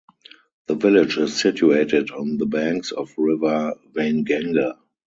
The village is situated on the banks of river Wainganga.